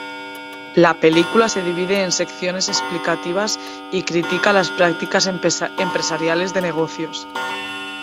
La película se divide en secciones explicativas y critica las prácticas empresariales de negocios.